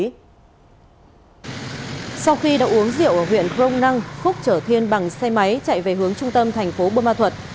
sau khi đã uống rượu ở huyện crong năng phúc chở thiên bằng xe máy chạy về hướng trung tâm thành phố bô ma thuật